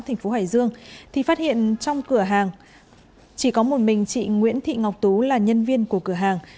thành phố hải dương thì phát hiện trong cửa hàng chỉ có một mình chị nguyễn thị ngọc tú là nhân viên của cửa hàng